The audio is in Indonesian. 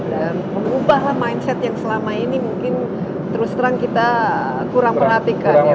dan mengubahlah mindset yang selama ini mungkin terus terang kita kurang perhatikan ya